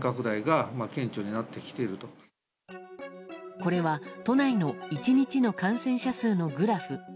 これは、都内の１日の感染者数のグラフ。